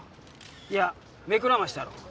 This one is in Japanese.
いや目くらましだろう。